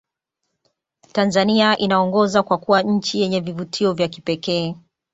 tanzania inaongoza kwa kuwa nchi yenye vivutio vya kipekee